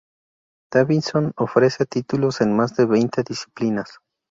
Davidson ofrece títulos en más de veinte disciplinas.